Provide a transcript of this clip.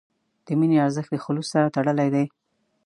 د مینې ارزښت د خلوص سره تړلی دی.